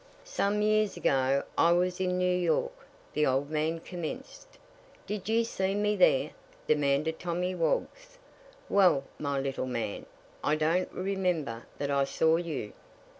"Some years ago I was in New York," the old man commenced. "Did you see me there?" demanded Tommy Woggs. "Well, my little man, I don't remember that I saw you."